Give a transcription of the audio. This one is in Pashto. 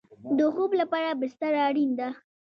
د خوب لپاره بستره اړین ده